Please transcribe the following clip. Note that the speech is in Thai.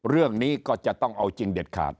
เรื่องนี้ก็จะต้องเอาจริงเด็ดขาด